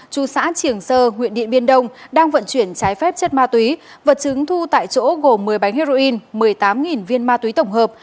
chú xã triềng sơ huyện điện biên đông đang vận chuyển trái phép chất ma túy vật chứng thu tại chỗ gồm một mươi bánh heroin một mươi tám viên ma túy tổng hợp